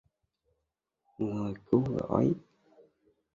người cứu rỗi